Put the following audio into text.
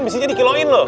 bisinya dikeloin loh